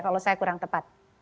kalau saya kurang tepat